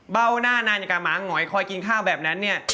เบาหน้าในการหมาหงอยคอยกินข้าวแบบนั้น